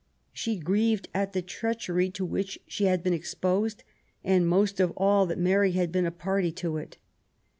She grieved at the treachery to which she had been exposed, and most of all that Mary had been a party to it.